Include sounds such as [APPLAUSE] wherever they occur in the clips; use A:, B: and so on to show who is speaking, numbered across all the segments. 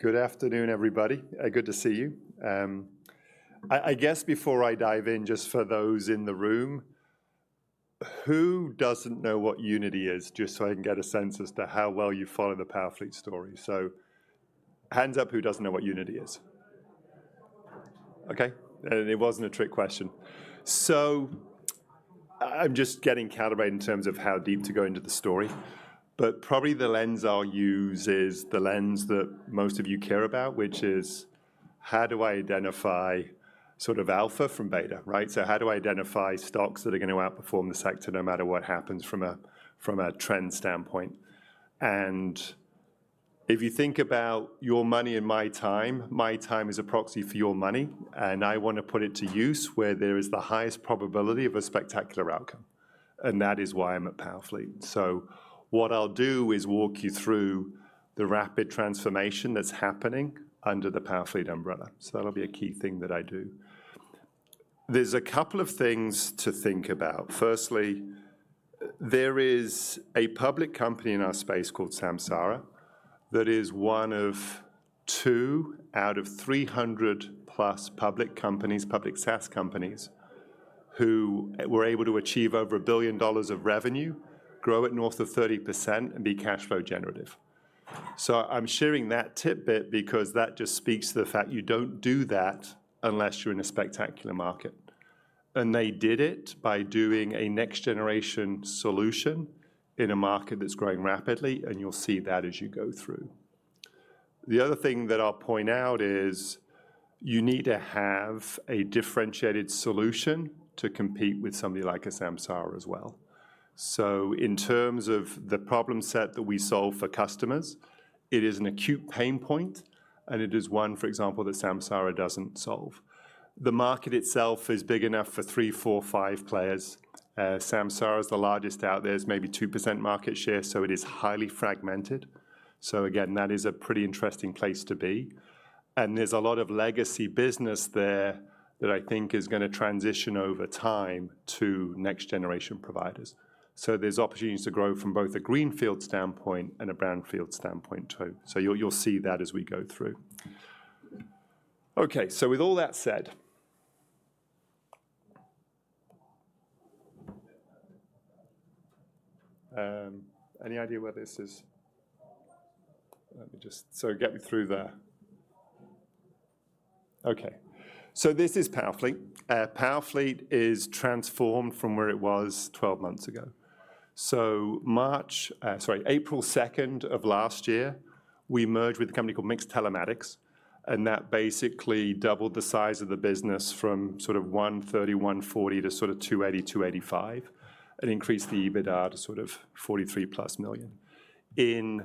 A: Good afternoon, everybody. Good to see you. I guess before I dive in, just for those in the room, who doesn't know what Unity is, just so I can get a sense as to how well you follow the Powerfleet story? So hands up who doesn't know what Unity is. Okay, and it wasn't a trick question. So I'm just getting calibrated in terms of how deep to go into the story, but probably the lens I'll use is the lens that most of you care about, which is, how do I identify sort of alpha from beta, right? So how do I identify stocks that are going to outperform the sector no matter what happens from a trend standpoint? And if you think about your money and my time, my time is a proxy for your money. And I want to put it to use where there is the highest probability of a spectacular outcome. And that is why I'm at Powerfleet. So what I'll do is walk you through the rapid transformation that's happening under the Powerfleet umbrella. So that'll be a key thing that I do. There's a couple of things to think about. Firstly, there is a public company in our space called Samsara that is one of two out of 300-plus public companies, public SaaS companies, who were able to achieve over $1 billion of revenue, grow at north of 30%, and be cash flow generative. So I'm sharing that tidbit because that just speaks to the fact you don't do that unless you're in a spectacular market. And they did it by doing a next-generation solution in a market that's growing rapidly. And you'll see that as you go through. The other thing that I'll point out is you need to have a differentiated solution to compete with somebody like a Samsara as well. So in terms of the problem set that we solve for customers, it is an acute pain point. And it is one, for example, that Samsara doesn't solve. The market itself is big enough for three, four, five players. Samsara is the largest out there. It's maybe 2% market share. So it is highly fragmented. So again, that is a pretty interesting place to be. And there's a lot of legacy business there that I think is going to transition over time to next-generation providers. So there's opportunities to grow from both a greenfield standpoint and a brownfield standpoint too. So you'll see that as we go through. Okay. So with all that said. Any idea where this is? So this is Powerfleet. Powerfleet is transformed from where it was 12 months ago. So March, sorry, April 2nd of last year, we merged with a company called MiX Telematics. And that basically doubled the size of the business from sort of $130 to $140 to sort of $280 to $285, and increased the EBITDA to sort of $43+ million. In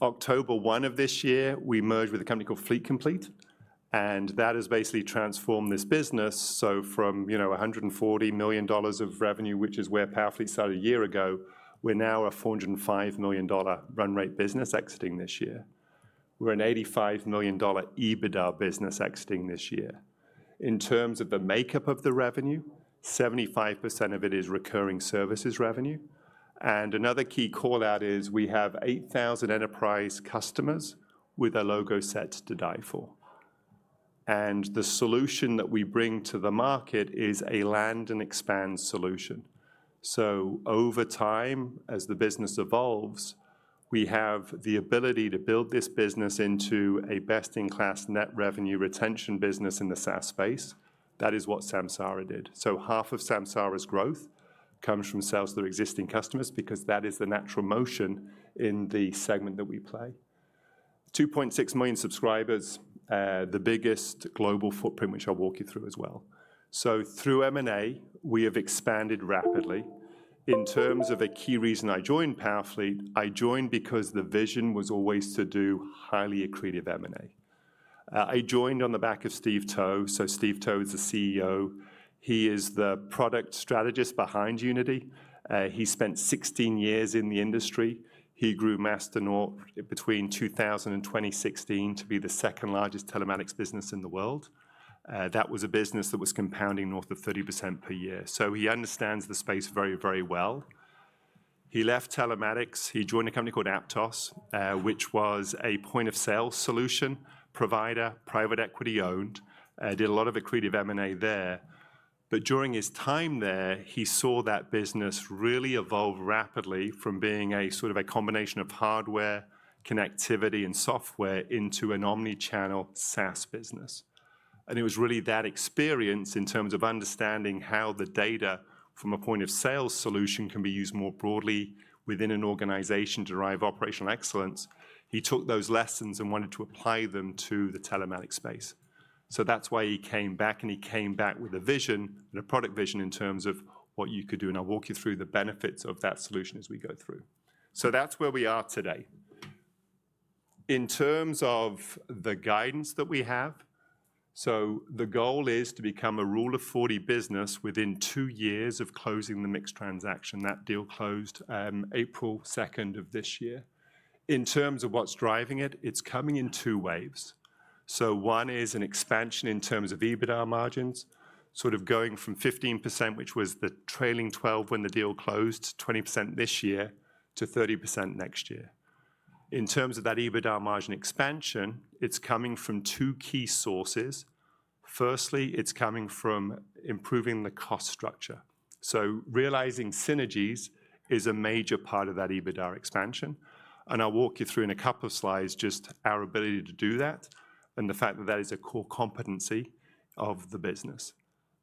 A: October 1 of this year, we merged with a company called Fleet Complete. And that has basically transformed this business. So from $140 million of revenue, which is where Powerfleet started a year ago, we're now a $405 million run rate business exiting this year. We're an $85 million EBITDA business exiting this year. In terms of the makeup of the revenue, 75% of it is recurring services revenue. Another key callout is we have 8,000 enterprise customers with a logo set to die for. The solution that we bring to the market is a land and expand solution. Over time, as the business evolves, we have the ability to build this business into a best-in-class net revenue retention business in the SaaS space. That is what Samsara did. Half of Samsara's growth comes from sales to their existing customers because that is the natural motion in the segment that we play. 2.6 million subscribers, the biggest global footprint, which I'll walk you through as well. Through M&A, we have expanded rapidly. In terms of a key reason I joined Powerfleet, I joined because the vision was always to do highly accretive M&A. I joined on the back of Steve Towe. Steve Towe is the CEO. He is the product strategist behind Unity. He spent 16 years in the industry. He grew Masternaut between 2000 and 2016 to be the second largest telematics business in the world. That was a business that was compounding north of 30% per year, so he understands the space very, very well. He left Telematics. He joined a company called Aptos, which was a point-of-sale solution provider, private equity owned, did a lot of accretive M&A there, but during his time there, he saw that business really evolve rapidly from being a sort of a combination of hardware, connectivity, and software into an omnichannel SaaS business, and it was really that experience in terms of understanding how the data from a point-of-sale solution can be used more broadly within an organization to drive operational excellence. He took those lessons and wanted to apply them to the telematics space, so that's why he came back. And he came back with a vision and a product vision in terms of what you could do. And I'll walk you through the benefits of that solution as we go through. So that's where we are today. In terms of the guidance that we have, so the goal is to become a Rule of 40 business within two years of closing the MiX transaction. That deal closed April 2nd of this year. In terms of what's driving it, it's coming in two waves. So one is an expansion in terms of EBITDA margins, sort of going from 15%, which was the trailing 12 when the deal closed, 20% this year to 30% next year. In terms of that EBITDA margin expansion, it's coming from two key sources. Firstly, it's coming from improving the cost structure. So realizing synergies is a major part of that EBITDA expansion. And I'll walk you through in a couple of slides just our ability to do that and the fact that that is a core competency of the business.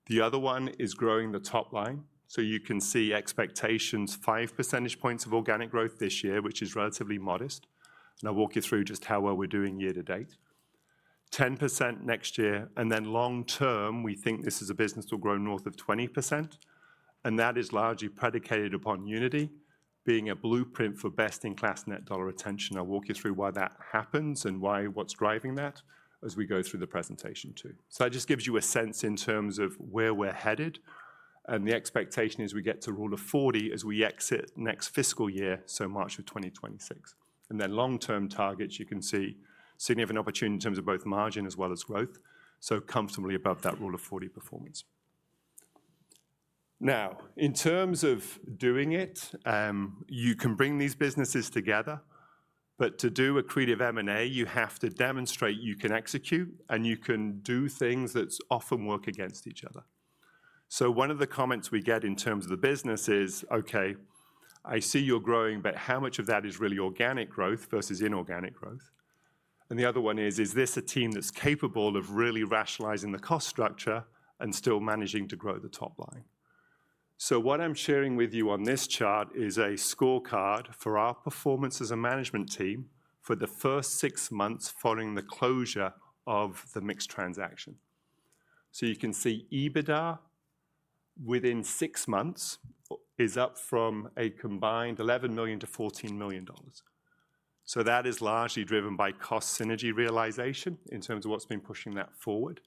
A: The other one is growing the top line. So you can see expectations, five percentage points of organic growth this year, which is relatively modest. And I'll walk you through just how well we're doing year to date. 10% next year. And then long term, we think this is a business that will grow north of 20%. And that is largely predicated upon Unity being a blueprint for best-in-class net dollar retention. I'll walk you through why that happens and what's driving that as we go through the presentation too. So that just gives you a sense in terms of where we're headed. The expectation is we get to Rule of 40 as we exit next fiscal year, so March of 2026. Then long-term targets, you can see significant opportunity in terms of both margin as well as growth, so comfortably above that Rule of 40 performance. Now, in terms of doing it, you can bring these businesses together. To do accretive M&A, you have to demonstrate you can execute and you can do things that often work against each other. So one of the comments we get in terms of the business is, "Okay, I see you're growing, but how much of that is really organic growth versus inorganic growth?" And the other one is, "Is this a team that's capable of really rationalizing the cost structure and still managing to grow the top line?" So what I'm sharing with you on this chart is a scorecard for our performance as a management team for the first six months following the closure of the MiX transaction. So you can see EBITDA within six months is up from a combined $11 million to $14 million. So that is largely driven by cost synergy realization in terms of what's been pushing that forward.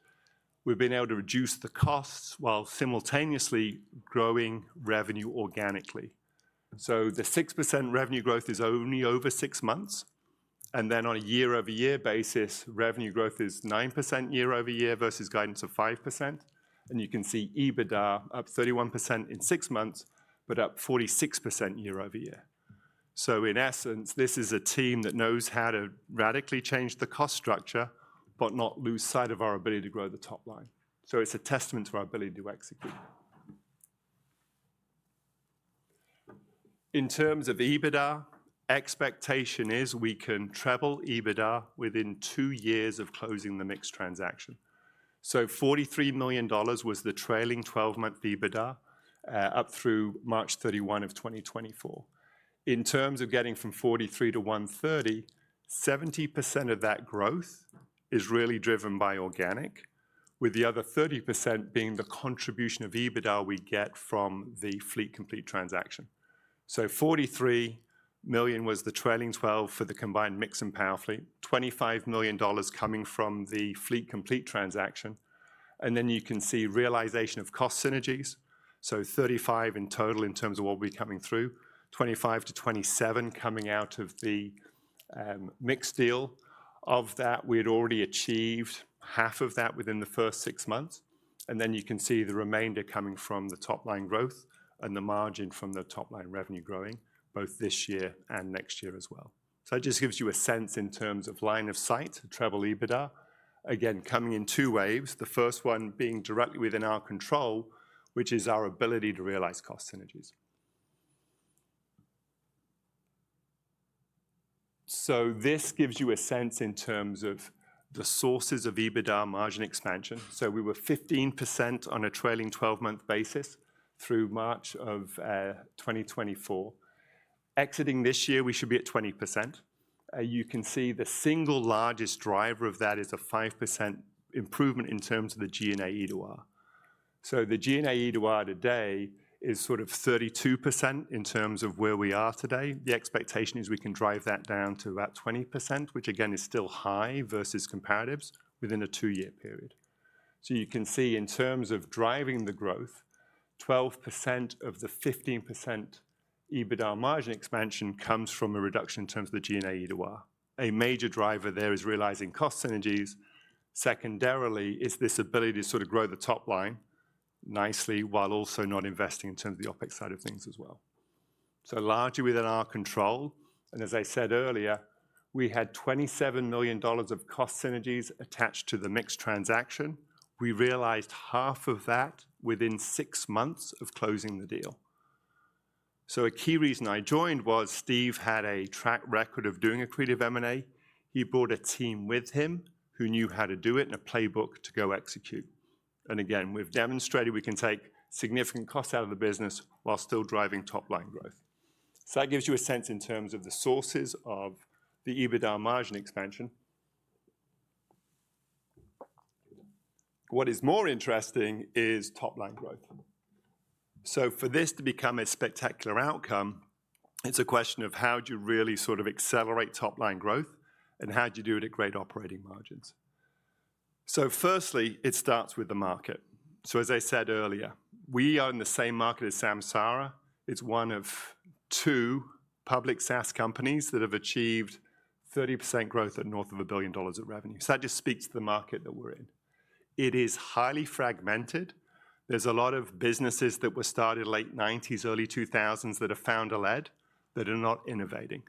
A: We've been able to reduce the costs while simultaneously growing revenue organically. So the 6% revenue growth is only over six months. Then on a year-over-year basis, revenue growth is 9% year-over-year versus guidance of 5%. You can see EBITDA up 31% in six months, but up 46% year-over-year. In essence, this is a team that knows how to radically change the cost structure but not lose sight of our ability to grow the top line. It's a testament to our ability to execute. In terms of EBITDA, expectation is we can treble EBITDA within two years of closing the MiX transaction. $43 million was the trailing 12-month EBITDA up through March 31, 2024. In terms of getting from 43 to 130, 70% of that growth is really driven by organic, with the other 30% being the contribution of EBITDA we get from the Fleet Complete transaction. So $43 million was the trailing 12 for the combined MiX and Powerfleet, $25 million coming from the Fleet Complete transaction, and then you can see realization of cost synergies, so $35 million in total in terms of what we're coming through, $25 to $27 million coming out of the MiX deal. Of that, we had already achieved half of that within the first six months, and then you can see the remainder coming from the top line growth and the margin from the top line revenue growing both this year and next year as well, so that just gives you a sense in terms of line of sight, treble EBITDA, again, coming in two waves, the first one being directly within our control, which is our ability to realize cost synergies, so this gives you a sense in terms of the sources of EBITDA margin expansion. So we were 15% on a trailing 12-month basis through March of 2024. Exiting this year, we should be at 20%. You can see the single largest driver of that is a 5% improvement in terms of the G&A E/R. So the G&A E/R today is sort of 32% in terms of where we are today. The expectation is we can drive that down to about 20%, which again is still high versus comparatives within a two-year period. So you can see in terms of driving the growth, 12% of the 15% EBITDA margin expansion comes from a reduction in terms of the G&A E/R. A major driver there is realizing cost synergies. Secondarily, is this ability to sort of grow the top line nicely while also not investing in terms of the OpEx side of things as well. So largely within our control. As I said earlier, we had $27 million of cost synergies attached to the MiX transaction. We realized $13.5 million of that within six months of closing the deal. A key reason I joined was Steve had a track record of doing accretive M&A. He brought a team with him who knew how to do it and a playbook to go execute. Again, we've demonstrated we can take significant costs out of the business while still driving top line growth. That gives you a sense in terms of the sources of the EBITDA margin expansion. What is more interesting is top line growth. For this to become a spectacular outcome, it's a question of how do you really sort of accelerate top line growth and how do you do it at great operating margins. Firstly, it starts with the market. As I said earlier, we are in the same market as Samsara. It's one of two public SaaS companies that have achieved 30% growth at north of $1 billion of revenue. That just speaks to the market that we're in. It is highly fragmented. There's a lot of businesses that were started in the late '90s, early 2000s that have found a lead that are not innovating.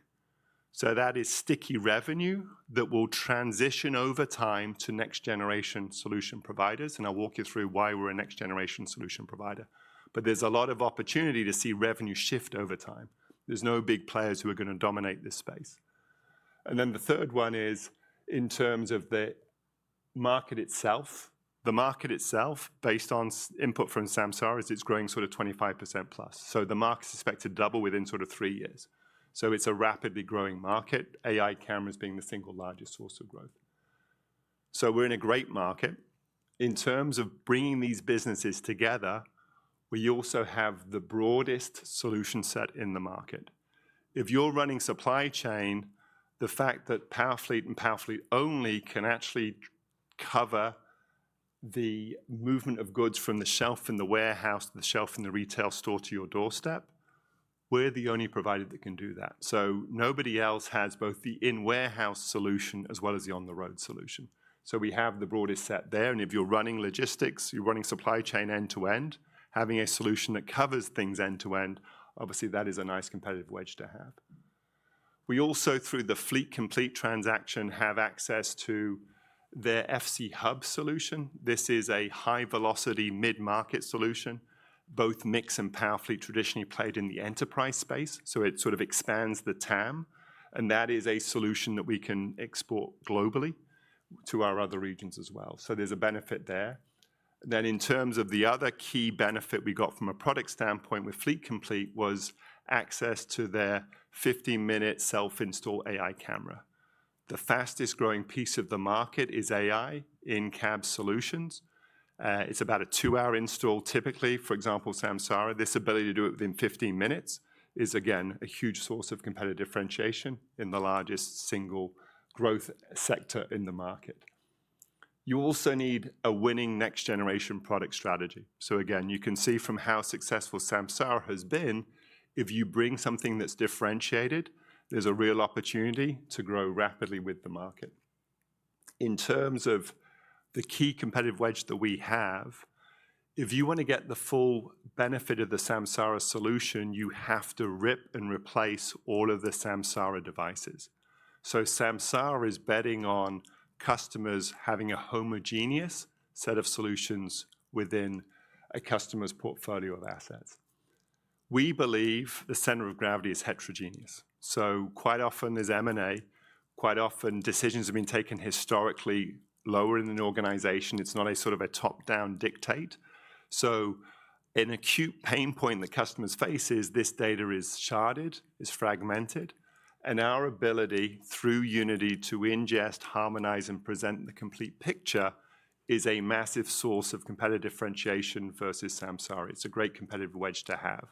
A: That is sticky revenue that will transition over time to next-generation solution providers. I'll walk you through why we're a next-generation solution provider. There's a lot of opportunity to see revenue shift over time. There's no big players who are going to dominate this space. The third one is in terms of the market itself. The market itself, based on input from Samsara, is growing sort of 25% plus. So the market is expected to double within sort of three years. So it's a rapidly growing market, AI cameras being the single largest source of growth. So we're in a great market. In terms of bringing these businesses together, we also have the broadest solution set in the market. If you're running supply chain, the fact that Powerfleet and Powerfleet only can actually cover the movement of goods from the shelf in the warehouse to the shelf in the retail store to your doorstep, we're the only provider that can do that. So nobody else has both the in-warehouse solution as well as the on-the-road solution. So we have the broadest set there. And if you're running logistics, you're running supply chain end-to-end, having a solution that covers things end-to-end, obviously that is a nice competitive wedge to have. We also, through the Fleet Complete transaction, have access to the FC Hub solution. This is a high-velocity mid-market solution. Both MiX and Powerfleet traditionally played in the enterprise space. So it sort of expands the TAM. And that is a solution that we can export globally to our other regions as well. So there's a benefit there. Then in terms of the other key benefit we got from a product standpoint with Fleet Complete was access to their 15-minute self-install AI camera. The fastest growing piece of the market is AI in-cab solutions. It's about a two-hour install typically, for example, Samsara. This ability to do it within 15 minutes is, again, a huge source of competitive differentiation in the largest single growth sector in the market. You also need a winning next-generation product strategy. So again, you can see from how successful Samsara has been, if you bring something that's differentiated, there's a real opportunity to grow rapidly with the market. In terms of the key competitive wedge that we have, if you want to get the full benefit of the Samsara solution, you have to rip and replace all of the Samsara devices. So Samsara is betting on customers having a homogeneous set of solutions within a customer's portfolio of assets. We believe the center of gravity is heterogeneous. So quite often there's M&A. Quite often decisions have been taken historically lower in an organization. It's not a sort of a top-down dictate. So an acute pain point that customers face is this data is sharded, is fragmented. And our ability through Unity to ingest, harmonize, and present the complete picture is a massive source of competitive differentiation versus Samsara. It's a great competitive wedge to have.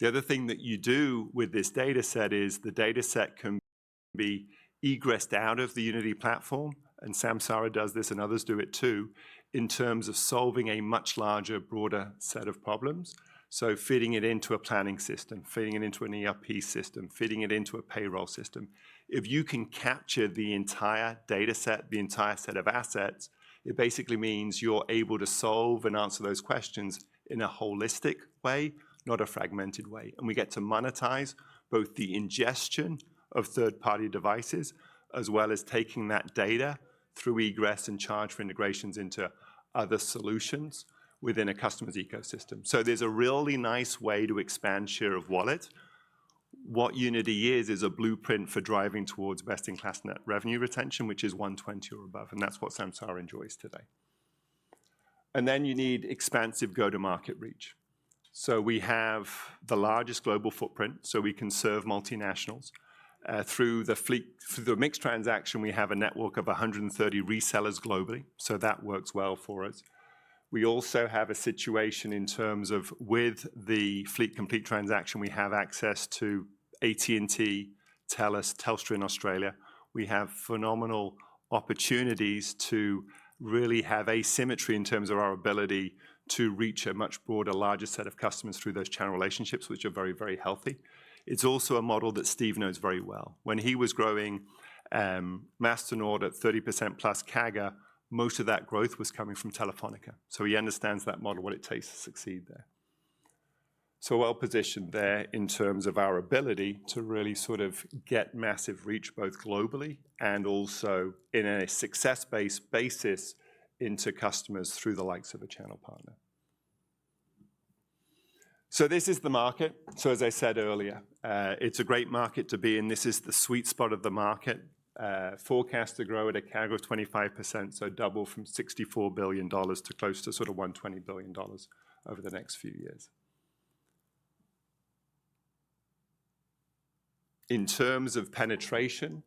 A: The other thing that you do with this data set is the data set can be egressed out of the Unity platform, and Samsara does this and others do it too in terms of solving a much larger, broader set of problems, so fitting it into a planning system, fitting it into an ERP system, fitting it into a payroll system. If you can capture the entire data set, the entire set of assets, it basically means you're able to solve and answer those questions in a holistic way, not a fragmented way, and we get to monetize both the ingestion of third-party devices as well as taking that data through egress and charge for integrations into other solutions within a customer's ecosystem, so there's a really nice way to expand share of wallet. What Unity is, is a blueprint for driving towards best-in-class net revenue retention, which is 120 or above. And that's what Samsara enjoys today. And then you need expansive go-to-market reach. So we have the largest global footprint, so we can serve multinationals. Through the MiX transaction, we have a network of 130 resellers globally. So that works well for us. We also have a situation in terms of with the Fleet Complete transaction, we have access to AT&T, Telus, Telstra in Australia. We have phenomenal opportunities to really have asymmetry in terms of our ability to reach a much broader, larger set of customers through those channel relationships, which are very, very healthy. It's also a model that Steve knows very well. When he was growing Masternaut at 30% plus CAGR, most of that growth was coming from Telefonica. So he understands that model, what it takes to succeed there. So well positioned there in terms of our ability to really sort of get massive reach both globally and also in a success-based basis into customers through the likes of a channel partner. So this is the market. So as I said earlier, it's a great market to be in. This is the sweet spot of the market. Forecast to grow at a CAGR of 25%, so double from $64 billion to close to sort of $120 billion over the next few years. In terms of penetration,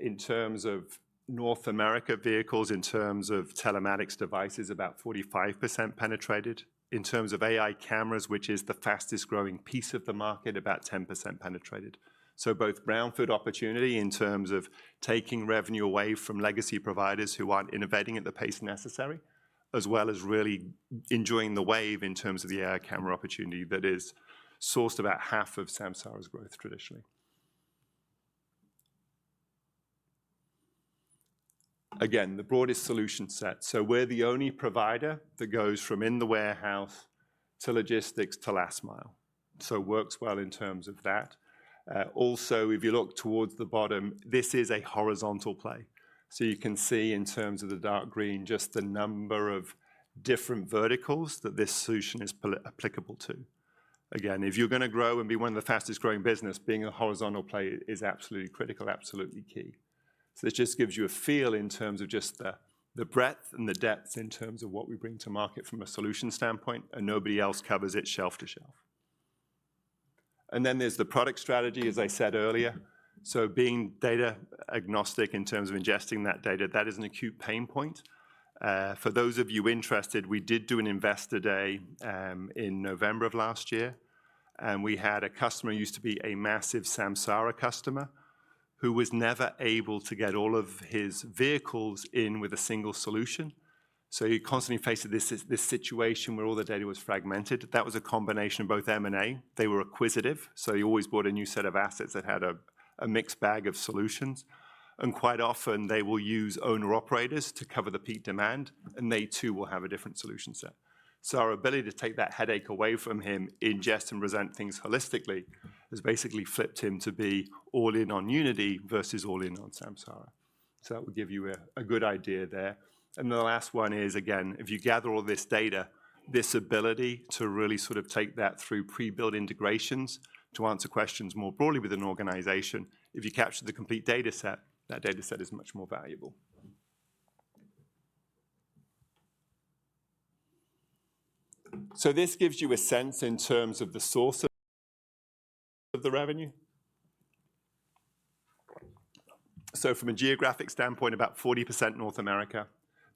A: in terms of North America vehicles, in terms of telematics devices, about 45% penetrated. In terms of AI cameras, which is the fastest growing piece of the market, about 10% penetrated. So both brownfield opportunity in terms of taking revenue away from legacy providers who aren't innovating at the pace necessary, as well as really enjoying the wave in terms of the AI camera opportunity that is sourced about half of Samsara's growth traditionally. Again, the broadest solution set. So we're the only provider that goes from in the warehouse to logistics to last mile. So works well in terms of that. Also, if you look towards the bottom, this is a horizontal play. So you can see in terms of the dark green, just the number of different verticals that this solution is applicable to. Again, if you're going to grow and be one of the fastest growing businesses, being a horizontal play is absolutely critical, absolutely key. So this just gives you a feel in terms of just the breadth and the depth in terms of what we bring to market from a solution standpoint, and nobody else covers it shelf to shelf. And then there's the product strategy, as I said earlier. So being data agnostic in terms of ingesting that data, that is an acute pain point. For those of you interested, we did do an investor day in November of last year. And we had a customer who used to be a massive Samsara customer who was never able to get all of his vehicles in with a single solution. So he constantly faced this situation where all the data was fragmented. That was a combination of both M&A. They were acquisitive. So he always bought a new set of assets that had a mixed bag of solutions. And quite often, they will use owner-operators to cover the peak demand. And they too will have a different solution set. So our ability to take that headache away from him, ingest and present things holistically, has basically flipped him to be all in on Unity versus all in on Samsara. So that would give you a good idea there. And the last one is, again, if you gather all this data, this ability to really sort of take that through pre-built integrations to answer questions more broadly with an organization, if you capture the complete data set, that data set is much more valuable. So this gives you a sense in terms of the source of the revenue. So from a geographic standpoint, about 40% North America,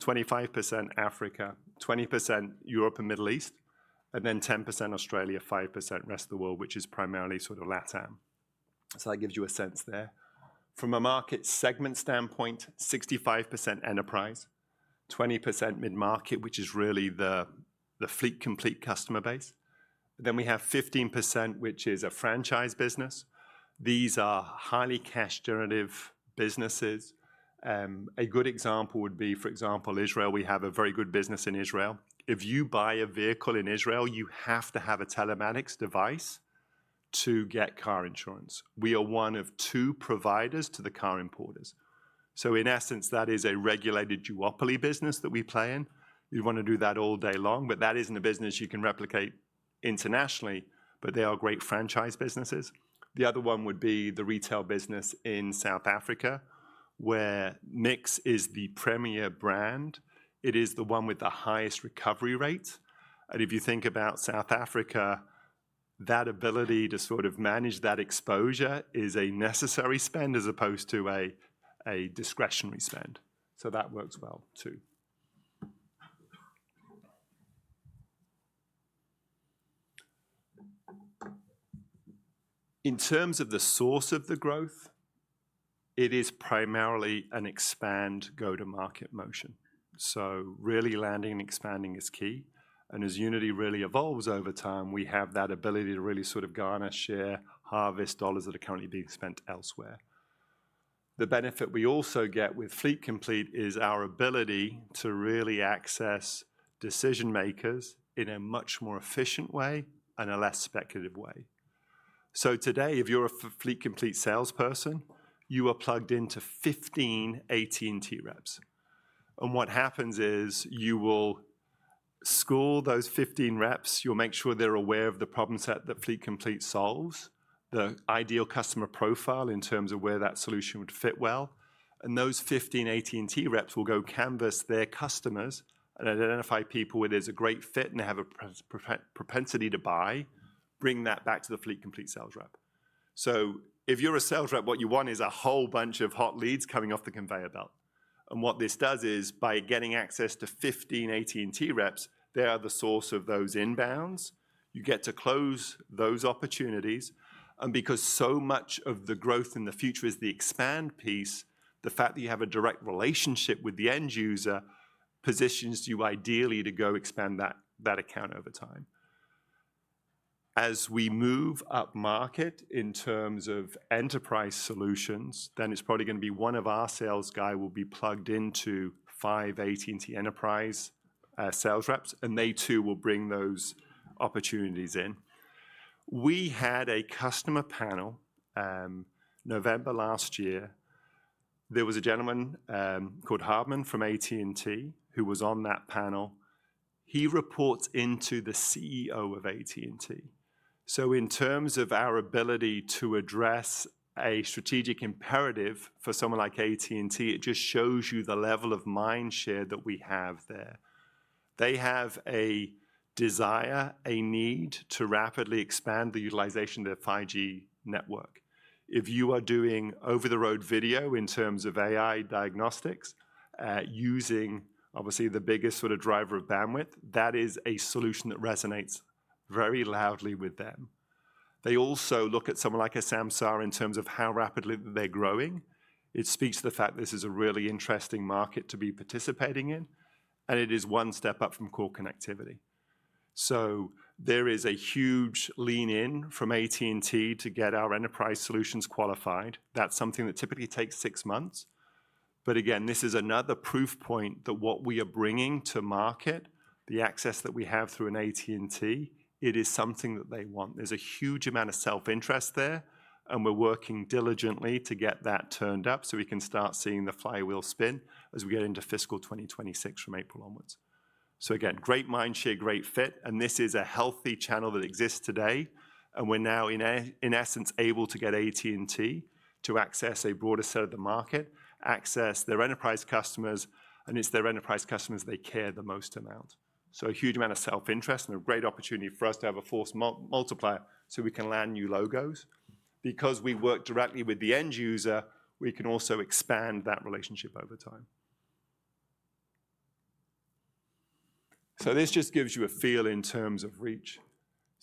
A: 25% Africa, 20% Europe and Middle East, and then 10% Australia, 5% rest of the world, which is primarily sort of LATAM. So that gives you a sense there. From a market segment standpoint, 65% enterprise, 20% mid-market, which is really the Fleet Complete customer base. Then we have 15%, which is a franchise business. These are highly cash-generative businesses. A good example would be, for example, Israel. We have a very good business in Israel. If you buy a vehicle in Israel, you have to have a telematics device to get car insurance. We are one of two providers to the car importers. So in essence, that is a regulated duopoly business that we play in. You want to do that all day long, but that isn't a business you can replicate internationally, but they are great franchise businesses. The other one would be the retail business in South Africa, where MiX is the premier brand. It is the one with the highest recovery rates. If you think about South Africa, that ability to sort of manage that exposure is a necessary spend as opposed to a discretionary spend. That works well too. In terms of the source of the growth, it is primarily an expand go-to-market motion. Really landing and expanding is key. As Unity really evolves over time, we have that ability to really sort of garner, share, harvest dollars that are currently being spent elsewhere. The benefit we also get with Fleet Complete is our ability to really access decision-makers in a much more efficient way and a less speculative way. Today, if you're a Fleet Complete salesperson, you are plugged into 15 AT&T reps. What happens is you will school those 15 reps. You'll make sure they're aware of the problem set that Fleet Complete solves, the ideal customer profile in terms of where that solution would fit well. And those 15 AT&T reps will go canvass their customers and identify people where there's a great fit and they have a propensity to buy, bring that back to the Fleet Complete sales rep. So if you're a sales rep, what you want is a whole bunch of hot leads coming off the conveyor belt. And what this does is by getting access to 15 AT&T reps, they are the source of those inbounds. You get to close those opportunities. And because so much of the growth in the future is the expand piece, the fact that you have a direct relationship with the end user positions you ideally to go expand that account over time. As we move up market in terms of enterprise solutions, then it's probably going to be one of our sales guys will be plugged into five AT&T enterprise sales reps, and they too will bring those opportunities in. We had a customer panel November last year. There was a gentleman called Hardman from AT&T who was on that panel. He reports into the CEO of AT&T. So in terms of our ability to address a strategic imperative for someone like AT&T, it just shows you the level of mind share that we have there. They have a desire, a need to rapidly expand the utilization of their 5G network. If you are doing over-the-road video in terms of AI diagnostics using, obviously, the biggest sort of driver of bandwidth, that is a solution that resonates very loudly with them. They also look at someone like a Samsara in terms of how rapidly they're growing. It speaks to the fact this is a really interesting market to be participating in, and it is one step up from core connectivity. So there is a huge lean-in from AT&T to get our enterprise solutions qualified. That's something that typically takes six months, but again, this is another proof point that what we are bringing to market, the access that we have through an AT&T, it is something that they want. There's a huge amount of self-interest there, and we're working diligently to get that turned up so we can start seeing the flywheel spin as we get into fiscal 2026 from April onwards, so again, great mind share, great fit, and this is a healthy channel that exists today. We're now, in essence, able to get AT&T to access a broader set of the market, access their enterprise customers, and it's their enterprise customers they care the most about. A huge amount of self-interest and a great opportunity for us to have a force multiplier so we can land new logos. Because we work directly with the end user, we can also expand that relationship over time. This just gives you a feel in terms of reach.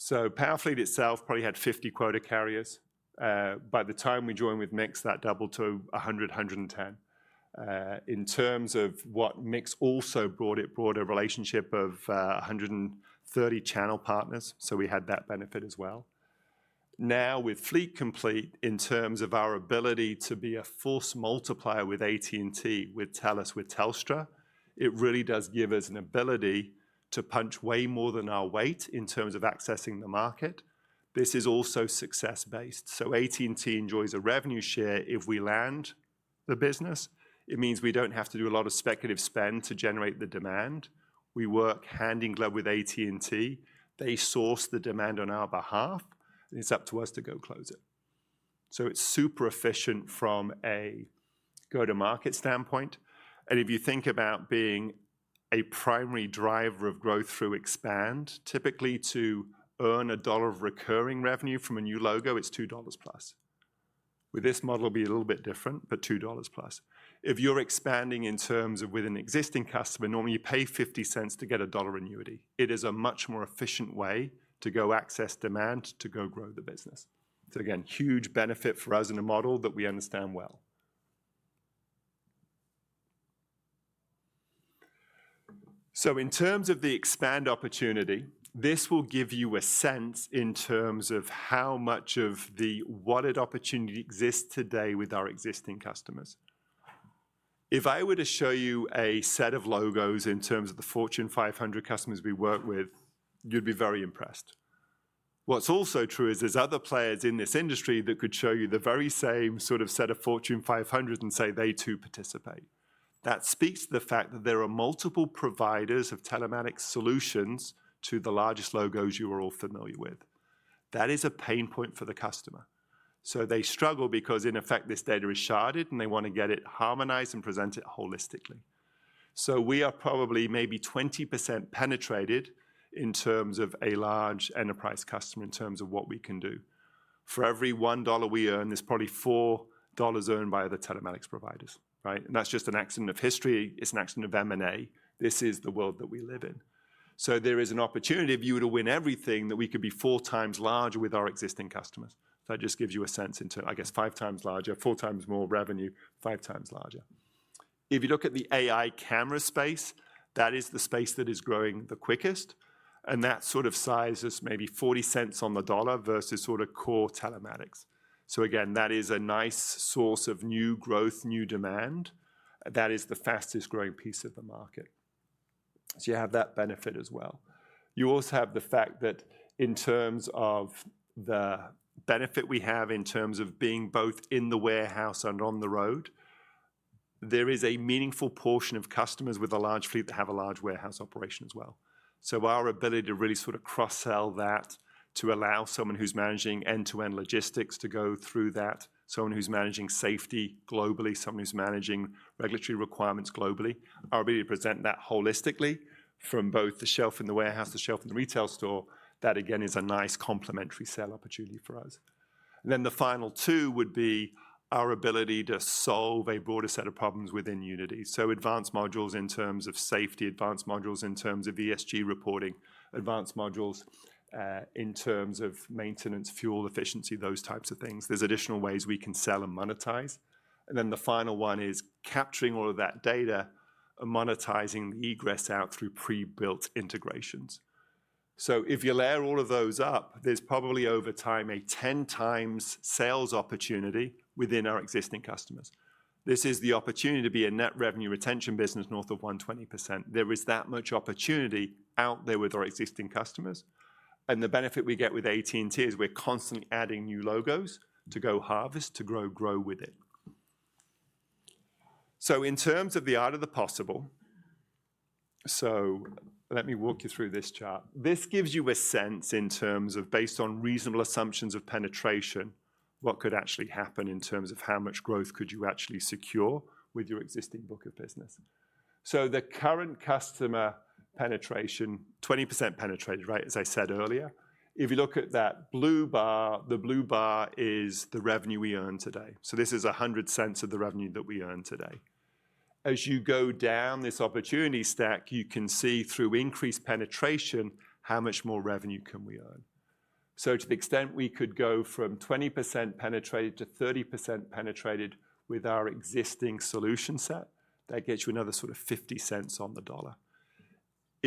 A: Powerfleet itself probably had 50 quota carriers. By the time we joined with MiX, that doubled to 100, 110. In terms of what MiX also brought, it brought a relationship of 130 channel partners, so we had that benefit as well. Now, with Fleet Complete, in terms of our ability to be a force multiplier with AT&T, with Telus, with Telstra, it really does give us an ability to punch way more than our weight in terms of accessing the market. This is also success-based. So AT&T enjoys a revenue share if we land the business. It means we don't have to do a lot of speculative spend to generate the demand. We work hand in glove with AT&T. They source the demand on our behalf, and it's up to us to go close it. So it's super efficient from a go-to-market standpoint. And if you think about being a primary driver of growth through expand, typically to earn a dollar of recurring revenue from a new logo, it's $2 plus. With this model, it'll be a little bit different, but $2 plus. If you're expanding in terms of with an existing customer, normally you pay $0.50 to get a $1 annuity. It is a much more efficient way to go access demand, to go grow the business. So again, huge benefit for us in a model that we understand well. So in terms of the expand opportunity, this will give you a sense in terms of how much of the wallet opportunity exists today with our existing customers. If I were to show you a set of logos in terms of the Fortune 500 customers we work with, you'd be very impressed. What's also true is there's other players in this industry that could show you the very same sort of set of Fortune 500 and say they too participate. That speaks to the fact that there are multiple providers of telematics solutions to the largest logos you are all familiar with. That is a pain point for the customer. So they struggle because, in effect, this data is sharded, and they want to get it harmonized and present it holistically. So we are probably maybe 20% penetrated in terms of a large enterprise customer in terms of what we can do. For every $1 we earn, there's probably $4 earned by the telematics providers, right? And that's just an accident of history. It's an accident of M&A. This is the world that we live in. So there is an opportunity of you to win everything that we could be four times larger with our existing customers. So that just gives you a sense into, I guess, five times larger, four times more revenue, five times larger. If you look at the AI camera space, that is the space that is growing the quickest and that sort of size is maybe 40 cents on the dollar versus sort of core telematics, so again, that is a nice source of new growth, new demand. That is the fastest growing piece of the market, so you have that benefit as well. You also have the fact that in terms of the benefit we have in terms of being both in the warehouse and on the road, there is a meaningful portion of customers with a large fleet that have a large warehouse operation as well. So our ability to really sort of cross-sell that to allow someone who's managing end-to-end logistics to go through that, someone who's managing safety globally, someone who's managing regulatory requirements globally, our ability to present that holistically from both the shelf in the warehouse, the shelf in the retail store, that again is a nice complementary sale opportunity for us. Then the final two would be our ability to solve a broader set of problems within Unity. So advanced modules in terms of safety, advanced modules in terms of ESG reporting, advanced modules in terms of maintenance, fuel efficiency, those types of things. There's additional ways we can sell and monetize. And then the final one is capturing all of that data and monetizing the egress out through pre-built integrations. So if you layer all of those up, there's probably over time a 10 times sales opportunity within our existing customers. This is the opportunity to be a net revenue retention business north of 120%. There is that much opportunity out there with our existing customers. And the benefit we get with AT&T is we're constantly adding new logos to go harvest, to grow, grow with it. So in terms of the art of the possible, so let me walk you through this chart. This gives you a sense in terms of based on reasonable assumptions of penetration, what could actually happen in terms of how much growth could you actually secure with your existing book of business. So the current customer penetration, 20% penetrated, right, as I said earlier. If you look at that blue bar, the blue bar is the revenue we earn today. This is 100 cents of the revenue that we earn today. As you go down this opportunity stack, you can see through increased penetration how much more revenue can we earn? So to the extent we could go from 20% penetrated to 30% penetrated with our existing solution set, that gets you another sort of 50 cents on the dollar.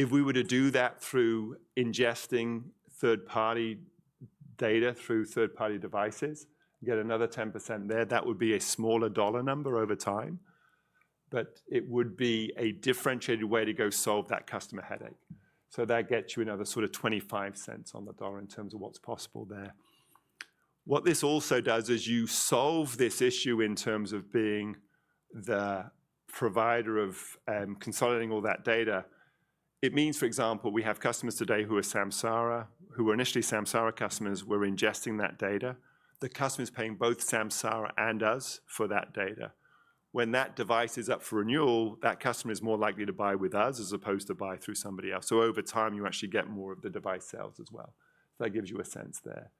A: If we were to do that through ingesting third-party data through third-party devices, get another 10% there, that would be a smaller dollar number over time. But it would be a differentiated way to go solve that customer headache. So that gets you another sort of 25 cents on the dollar in terms of what's possible there. What this also does is you solve this issue in terms of being the provider of consolidating all that data. It means, for example, we have customers today who are Samsara, who were initially Samsara customers, were ingesting that data. The customer is paying both Samsara and us for that data. When that device is up for renewal, that customer is more likely to buy with us as opposed to buy through somebody else. So over time, you actually get more of the device sales as well. So that gives you a sense there.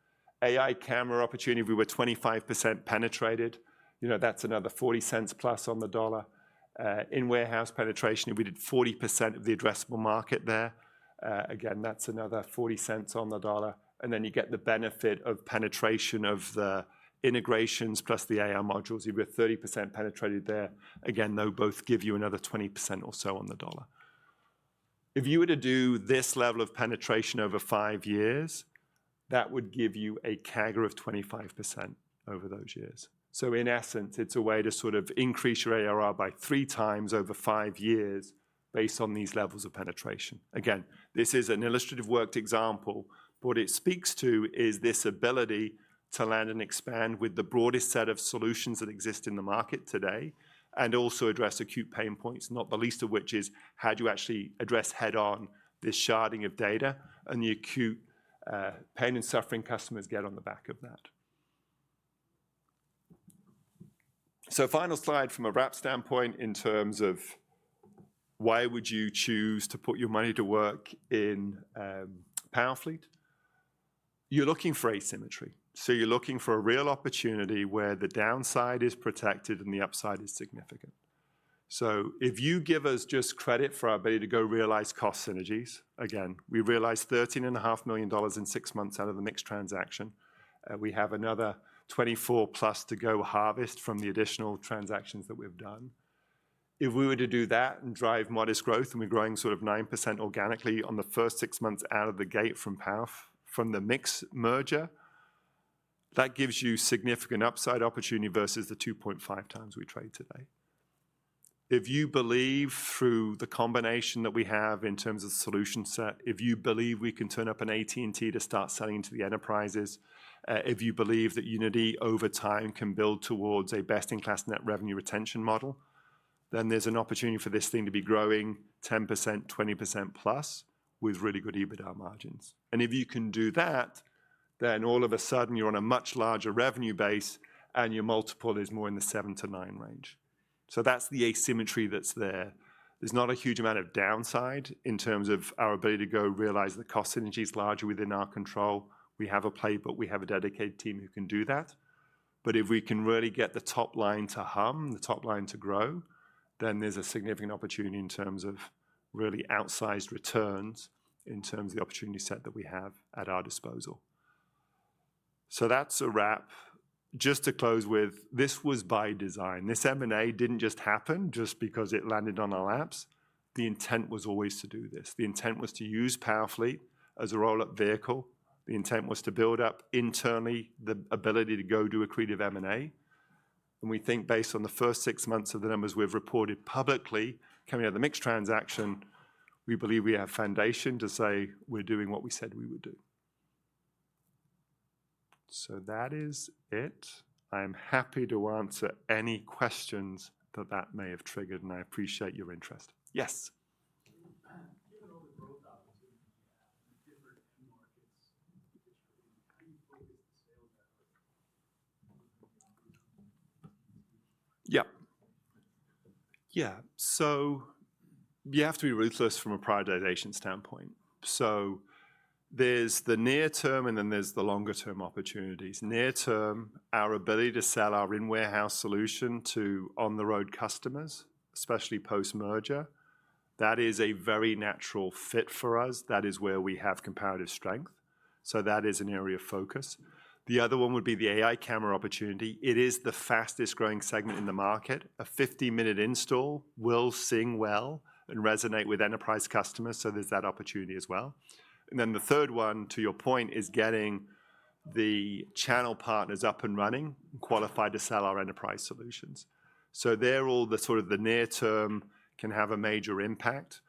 A: AI camera opportunity, if we were 25% penetrated, you know, that's another 40 cents plus on the dollar. In warehouse penetration, if we did 40% of the addressable market there, again, that's another 40 cents on the dollar. And then you get the benefit of penetration of the integrations plus the AI modules. If we're 30% penetrated there, again, they'll both give you another 20% or so on the dollar. If you were to do this level of penetration over five years, that would give you a CAGR of 25% over those years. So in essence, it's a way to sort of increase your ARR by 3x over five years based on these levels of penetration. Again, this is an illustrative worked example, but what it speaks to is this ability to land and expand with the broadest set of solutions that exist in the market today and also address acute pain points, not the least of which is how do you actually address head-on this sharding of data and the acute pain and suffering customers get on the back of that. So final slide from a wrap standpoint in terms of why would you choose to put your money to work in Powerfleet. You're looking for asymmetry. So you're looking for a real opportunity where the downside is protected and the upside is significant. So if you give us just credit for our ability to go realize cost synergies, again, we realized $13.5 million in six months out of the MiX transaction. We have another 24 plus to go harvest from the additional transactions that we've done. If we were to do that and drive modest growth and we're growing sort of 9% organically on the first six months out of the gate from Powerfleet from the MiX merger, that gives you significant upside opportunity versus the 2.5x we trade today. If you believe through the combination that we have in terms of the solution set, if you believe we can turn up an AT&T to start selling into the enterprises, if you believe that Unity over time can build towards a best-in-class net revenue retention model, then there's an opportunity for this thing to be growing 10%, 20% plus with really good EBITDA margins. And if you can do that, then all of a sudden you're on a much larger revenue base and your multiple is more in the seven-to-nine range. So that's the asymmetry that's there. There's not a huge amount of downside in terms of our ability to go realize the cost synergies larger within our control. We have a playbook, we have a dedicated team who can do that. But if we can really get the top line to hum, the top line to grow, then there's a significant opportunity in terms of really outsized returns in terms of the opportunity set that we have at our disposal. So that's a wrap. Just to close with, this was by design. This M&A didn't just happen just because it landed on our laps. The intent was always to do this. The intent was to use Powerfleet as a roll-up vehicle. The intent was to build up internally the ability to go do a creative M&A. And we think based on the first six months of the numbers we've reported publicly coming out of the MiX transaction, we believe we have foundation to say we're doing what we said we would do. So that is it. I am happy to answer any questions that may have triggered, and I appreciate your interest. Yes. Yeah. [AUDIO DISTORTION] Yeah. So you have to be ruthless from a prioritization standpoint. So there's the near term and then there's the longer-term opportunities. Near term, our ability to sell our in-warehouse solution to on-the-road customers, especially post-merger, that is a very natural fit for us. That is where we have comparative strength. So that is an area of focus. The other one would be the AI camera opportunity. It is the fastest growing segment in the market. A 50-minute install will sing well and resonate with enterprise customers. So there's that opportunity as well. And then the third one, to your point, is getting the channel partners up and running and qualified to sell our enterprise solutions. So they're all sort of the near term can have a major impact.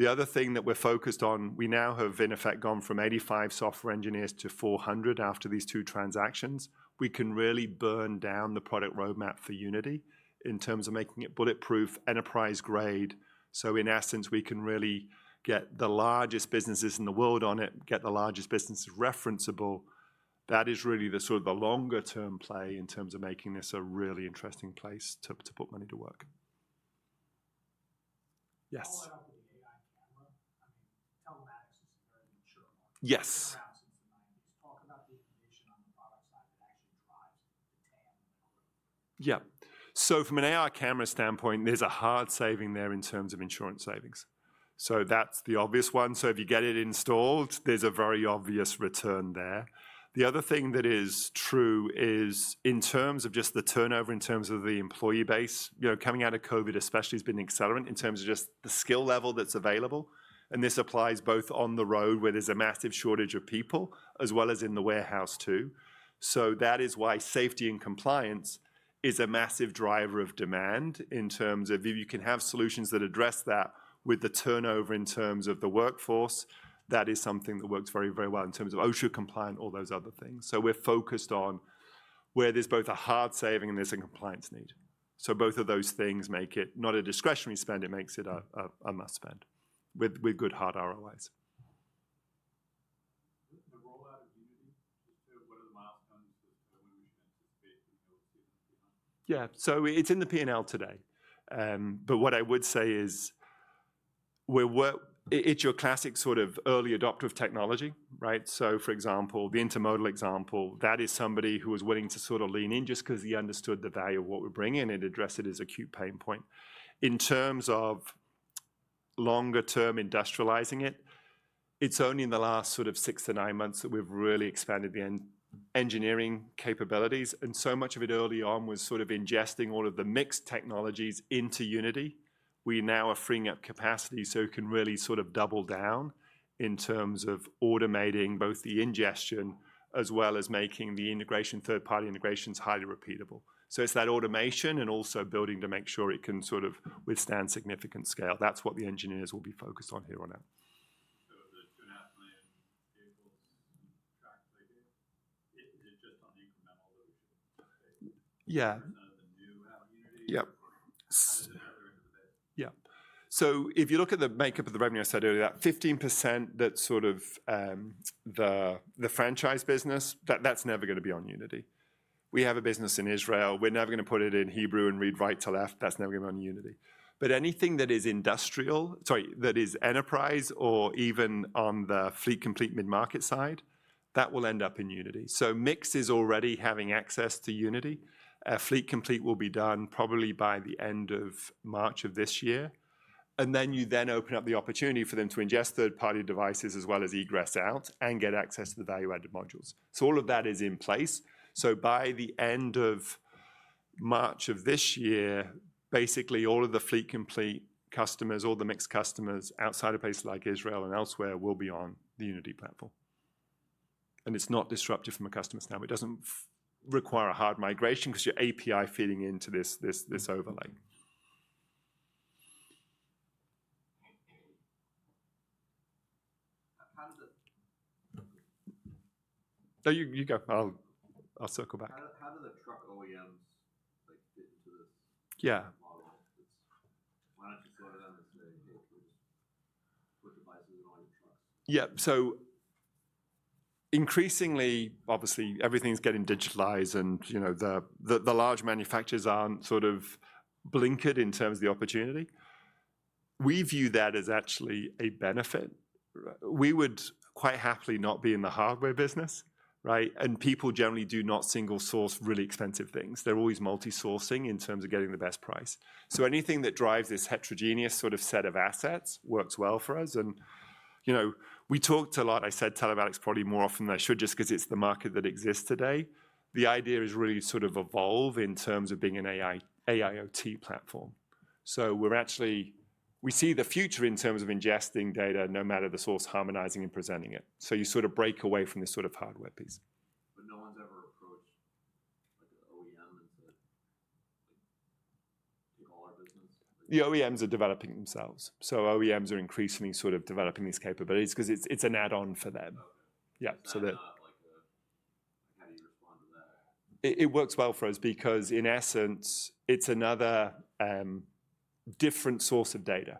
A: The other thing that we're focused on, we now have in effect gone from 85 software engineers to 400 after these two transactions. We can really burn down the product roadmap for Unity in terms of making it bulletproof, enterprise grade. So in essence, we can really get the largest businesses in the world on it, get the largest businesses referenceable. That is really the sort of the longer-term play in terms of making this a really interesting place to put money to work. Yes. [AUDIO DISTORTION] I mean, telematics is a very mature market. Yes. [AUDIO DISTORTION] Talk about the innovation on the product side that actually drives the TAM and the growth. Yeah. So from an AI camera standpoint, there's a hard saving there in terms of insurance savings. So that's the obvious one. So if you get it installed, there's a very obvious return there. The other thing that is true is in terms of just the turnover in terms of the employee base, you know, coming out of COVID especially has been accelerant in terms of just the skill level that's available. And this applies both on the road where there's a massive shortage of people as well as in the warehouse too. So that is why safety and compliance is a massive driver of demand in terms of if you can have solutions that address that with the turnover in terms of the workforce, that is something that works very, very well in terms of OSHA compliant, all those other things. So we're focused on where there's both a hard saving and there's a compliance need. So both of those things make it not a discretionary spend, it makes it a must spend with good hard ROIs. [AUDIO DISTORTION] The rollout of Unity, just to what are the milestones that we should anticipate from the OSC? Yeah. So it's in the P&L today. But what I would say is it's your classic sort of early adopter of technology, right? So for example, the intermodal example, that is somebody who was willing to sort of lean in just because he understood the value of what we're bringing and address it as acute pain point. In terms of longer-term industrializing it, it's only in the last sort of six to nine months that we've really expanded the engineering capabilities. And so much of it early on was sort of ingesting all of the MiX technologies into Unity. We now are freeing up capacity so we can really sort of double down in terms of automating both the ingestion as well as making the integration, third-party integrations highly repeatable. So it's that automation and also building to make sure it can sort of withstand significant scale. That's what the engineers will be focused on here on it. [AUDIO DISTORTION] So the 2.5 million vehicles tracked later, is it just on the incremental that we should? Yeah. [AUDIO DISTORTION] It's not on the new Unity. Yeah. [AUDIO DISTORTION] How does it matter into the build? Yeah. So if you look at the makeup of the revenue I said earlier, that 15% that's sort of the franchise business, that's never going to be on Unity. We have a business in Israel. We're never going to put it in Hebrew and read right to left. That's never going to be on Unity. But anything that is industrial, sorry, that is enterprise or even on the Fleet Complete mid-market side, that will end up in Unity. So MiX is already having access to Unity. Fleet Complete will be done probably by the end of March of this year, and then you then open up the opportunity for them to ingest third-party devices as well as egress out and get access to the value-added modules. So all of that is in place, so by the end of March of this year, basically all of the Fleet Complete customers, all the MiX customers outside of places like Israel and elsewhere will be on the Unity platform. And it's not disruptive from a customer standpoint. It doesn't require a hard migration because your API feeding into this overlay. [AUDIO DISTORTION] How does it? No, you go. I'll circle back. [AUDIO DISTORTION] How do the truck OEMs fit into this model? Why don't you slow down this and say, "We're just putting devices in all your trucks"? Yeah. So increasingly, obviously, everything's getting digitized and the large manufacturers aren't sort of blinkered in terms of the opportunity. We view that as actually a benefit. We would quite happily not be in the hardware business, right? And people generally do not single source really expensive things. They're always multi-sourcing in terms of getting the best price. So anything that drives this heterogeneous sort of set of assets works well for us. And we talked a lot. I said telematics probably more often than I should just because it's the market that exists today. The idea is really sort of evolve in terms of being an AIoT platform. So we see the future in terms of ingesting data no matter the source, harmonizing and presenting it. So you sort of break away from this sort of hardware piece. But no one's ever approached an OEM and said, [AUDIO DISTORTION] "Take all our business"? The OEMs are developing themselves. So OEMs are increasingly sort of developing these capabilities because it's an add-on for them. Yeah. [AUDIO DISTORTION] So that's not like a, how do you respond to that? It works well for us because in essence, it's another different source of data.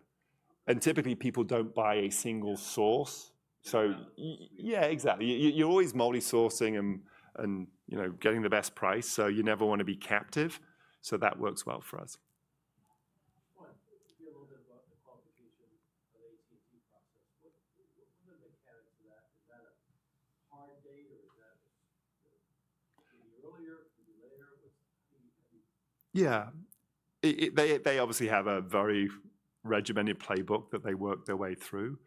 A: And typically people don't buy a single source. So yeah, exactly. You're always multi-sourcing and getting the best price. So you never want to be captive. So that works well for us. [AUDIO DISTORTION] Give me a little bit about the qualification of the AT&T process. What were the mechanics of that? Is that a hard data? Is that maybe earlier, maybe later? Yeah. They obviously have a very regimented playbook that they work their way through.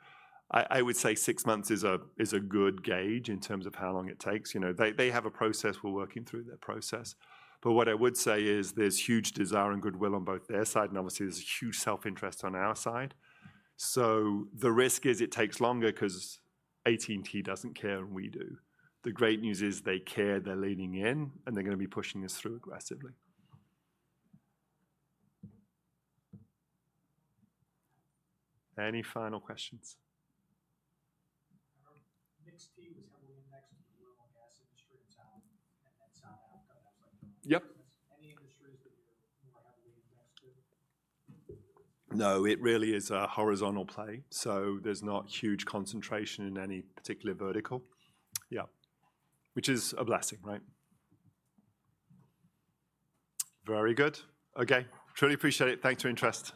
A: I would say six months is a good gauge in terms of how long it takes. They have a process. We're working through that process, but what I would say is there's huge desire and goodwill on both their side, and obviously, there's a huge self-interest on our side, so the risk is it takes longer because AT&T doesn't care and we do. The great news is they care. They're leaning in and they're going to be pushing us through aggressively. Any final questions? MiX Telematics was heavily indexed to the oil and gas industry in town and then South Africa. That was like the only business. Any industries that you're more heavily indexed to? No, it really is a horizontal play, so there's not huge concentration in any particular vertical. Yeah. Which is a blessing, right? Very good. Okay. Truly appreciate it. Thanks for your interest.